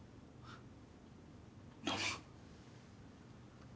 どうも。